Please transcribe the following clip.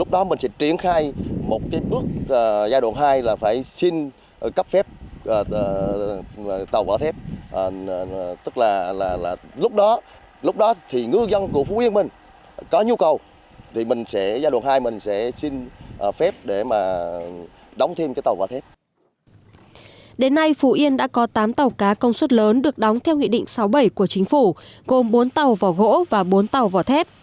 đến nay phú yên đã có tám tàu cá công suất lớn được đóng theo nghị định sáu bảy của chính phủ gồm bốn tàu vỏ gỗ và bốn tàu vỏ thép